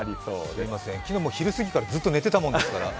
すいません、昨日も昼過ぎからずっと寝てたもんですから。